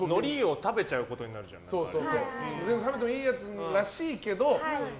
食べてもいいものらしいけど。